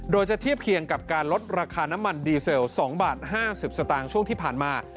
โดยจะเทียบเคียงกับการลดราคาน้ำมันดีเซล๒บาท๕๐สตางค์ช่วงที่ผ่านมา